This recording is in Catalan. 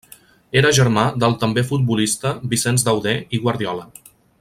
Era germà del també futbolista Vicenç Dauder i Guardiola.